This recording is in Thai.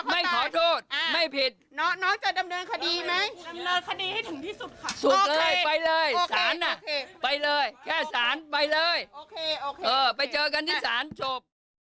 ไม่ขอโทษไม่ผิดน้องถามความเป็นจะจะดำเนินคดีไหม